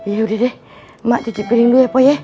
yaudah deh ma cuci piring dulu ya poy ya